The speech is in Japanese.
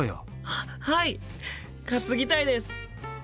あっはい担ぎたいです！